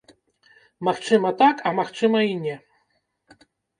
Магчыма так, а магчыма і не.